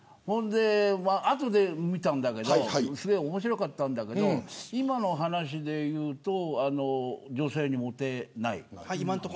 後で見たんだけど面白かったんだけど今の話でいうと女性にもてない。